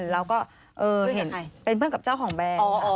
แล้วก็เห็นเป็นเพื่อนกับเจ้าของแบรนด์